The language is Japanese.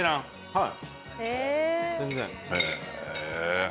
はい。